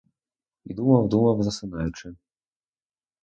І думав, думав, засипаючи.